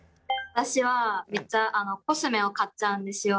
私はめっちゃコスメを買っちゃうんですよ。